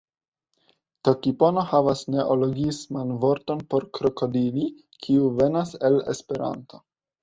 Tokipono havas neologisman vorton por krokodili, kiu venas el Esperanto.